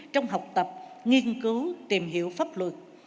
trong học tập nghiên cứu tìm hiểu pháp luật